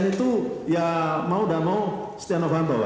sn itu ya mau dan mau setia novanto